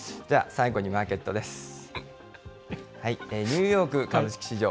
じゃあ、最後にマーケットです。